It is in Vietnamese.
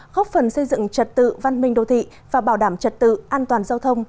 góp phần xây dựng trật tự văn minh đô thị và bảo đảm trật tự an toàn giao thông